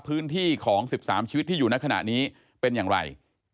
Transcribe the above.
พื้นที่ของ๑๓ชีวิตที่อยู่ในขณะนี้เป็นอย่างไร